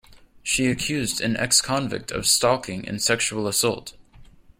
She accused an ex-convict of stalking and sexual assault.